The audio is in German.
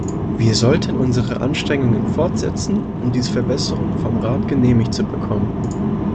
Wir sollten unsere Anstrengungen fortsetzen, um diese Verbesserungen vom Rat genehmigt zu bekommen.